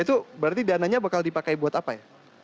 itu berarti dananya bakal dipakai buat apa ya